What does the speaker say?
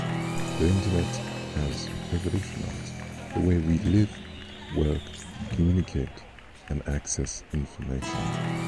The Internet has revolutionized the way we live, work, communicate, and access information.